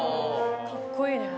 かっこいいね。